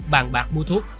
bàn bạc mua thuốc